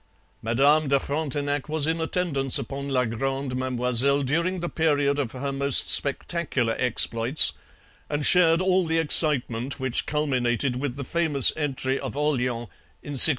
Madame de Frontenac was in attendance upon La Grande Mademoiselle during the period of her most spectacular exploits and shared all the excitement which culminated with the famous entry of Orleans in 1652.